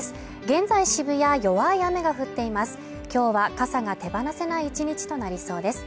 現在渋谷は弱い雨が降っています